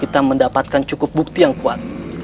kita mendapatkan cukup bukti yang kuat